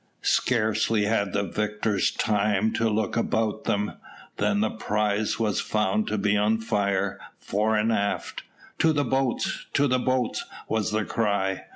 Scarcely had the victors time to look about them, than the prize was found to be on fire, fore and aft. "To the boats! to the boats!" was the cry.